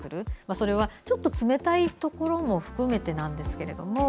それはちょっと冷たいところも含めてなんですけれども。